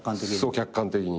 客観的に。